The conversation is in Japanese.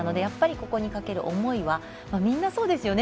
ここにかける思いはみんなそうですよね。